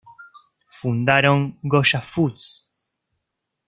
Fundaron Goya Foods.